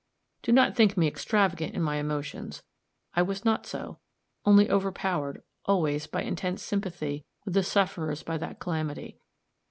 Do not think me extravagant in my emotions. I was not so only overpowered, always, by intense sympathy with the sufferers by that calamity.